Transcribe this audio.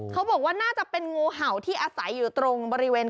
เขาบอกว่าน่าจะเป็นงูเห่าที่อาศัยอยู่ตรงบริเวณ